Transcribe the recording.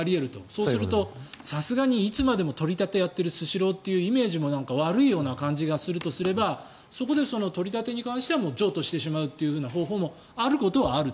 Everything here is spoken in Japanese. そうするとさすがにいつまでも取り立てをやっているスシローという悪いような感じがするとすればそこで取り立てに関してはもう譲渡してしまうという方法もあることはあると。